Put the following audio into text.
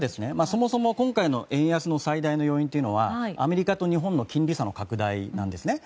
そもそも今回の円安の最大の要因というのはアメリカと日本の金利差の拡大なんですね。